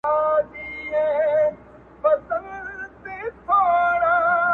هسي نه چي دا یو ته په زړه خوږمن یې.!